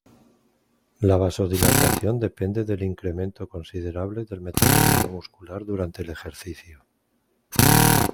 La vasodilatación depende del incremento considerable del metabolismo muscular durante el ejercicio.